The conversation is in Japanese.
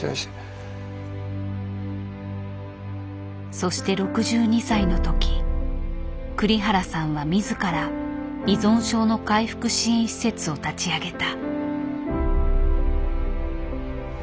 そして６２歳の時栗原さんは自ら依存症の回復支援施設を立ち上げた。